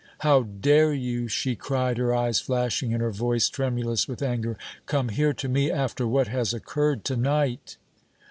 "How dare you," she cried, her eyes flashing and her voice tremulous with anger, "come here, to me, after what has occurred to night!"